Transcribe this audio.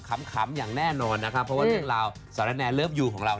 ขำอย่างแน่นอนนะครับเพราะว่าเรื่องราว